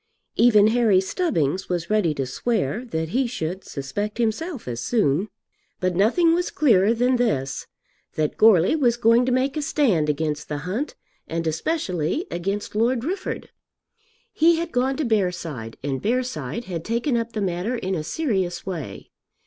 Even Harry Stubbings was ready to swear that he should suspect himself as soon. But nothing was clearer than this, that Goarly was going to make a stand against the hunt and especially against Lord Rufford. He had gone to Bearside and Bearside had taken up the matter in a serious way.